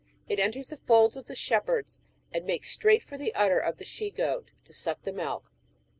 It enters the folds of the shepherds, and makes straight for the udder of the she goat, to suck the milk.